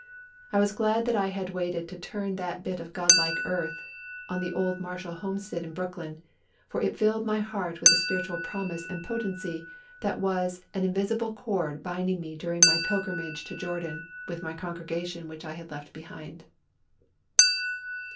I was glad that I had waited to turn that bit of God like earth on the old Marshall homestead in Brooklyn, for it filled my heart with a spiritual promise and potency that was an invisible cord binding me during my pilgrimage to Jordan with my congregation which I had left behind.